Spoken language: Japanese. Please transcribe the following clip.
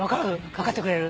分かってくれる？